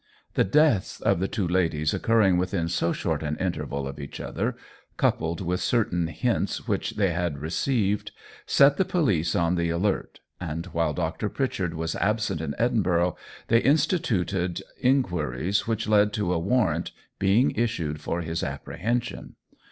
The deaths of the two ladies occurring within so short an interval of each other, coupled with certain hints which they had received, set the police on the alert, and while Dr. Pritchard was absent in Edinburgh they instituted inquiries, which led to a warrant being issued for his apprehension.